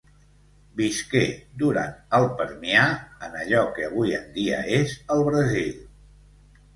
Visqué durant el Permià en allò que avui en dia és el Brasil.